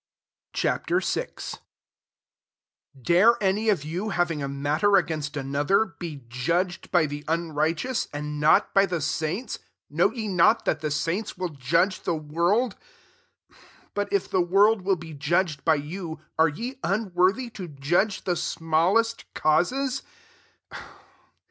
Ch. VI. 1 Dari^ any of you, having a matter against another, be judged by the unrighteous, and not by the saints ? 2 Know ye not that the saints will judge the world? but if the world will be judged by you, are ye unworthy to judge the smallest causes